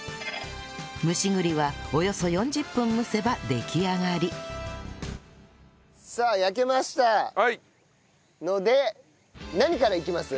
蒸し栗はおよそ４０分蒸せば出来上がりさあ焼けましたので何からいきます？